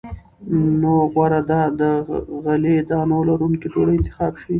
نو غوره ده د غلې- دانو لرونکې ډوډۍ انتخاب شي.